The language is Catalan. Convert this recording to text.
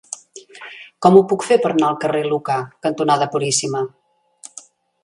Com ho puc fer per anar al carrer Lucà cantonada Puríssima?